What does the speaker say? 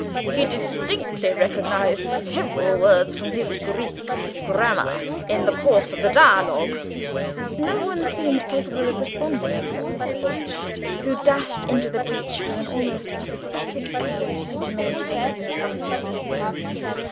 He distinctly recognised several words from his Greek Grammar in the course of the dialogue." No one seemed capable of responding except Mr. Bultitude, who dashed into the breach with an almost pathetic effort to maintain his accustomed stiffness.